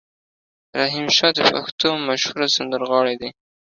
رحیم شا د پښتو مشهور سندرغاړی دی.